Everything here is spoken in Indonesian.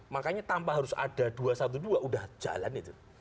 makanya tanpa harus ada dua satu dua sudah jalan itu